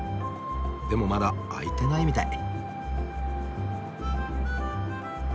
でもまだ開いてないみたい。